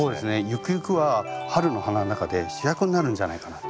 ゆくゆくは春の花の中で主役になるんじゃないかなって。